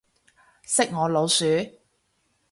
識我老鼠